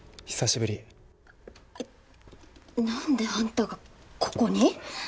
えっなんであんたがここに？